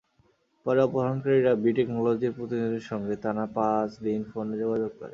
পরে অপহরণকারীরা বি-টেকনোলজির প্রতিনিধির সঙ্গে টানা পাঁচ দিন ফোনে যোগাযোগ করে।